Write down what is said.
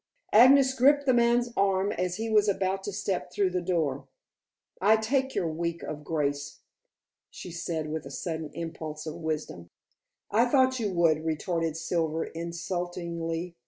Agnes gripped the man's arm as he was about to step through the door. "I take your week of grace," she said with a sudden impulse of wisdom. "I thought you would," retorted Silver insultingly.